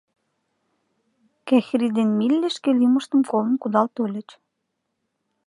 Кӓхри ден Милли шке лӱмыштым колын кудал тольыч.